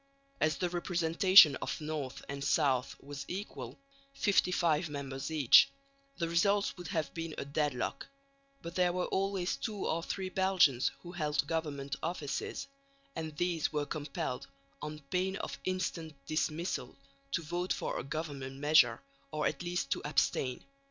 As the representation of north and south was equal, 55 members each, the result would have been a deadlock, but there were always two or three Belgians who held government offices; and these were compelled, on pain of instant dismissal, to vote for a government measure or at least to abstain.